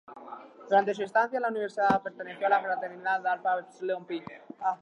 Durante su estancia en la universidad perteneció a la Fraternidad Alpha Epsilon Pi.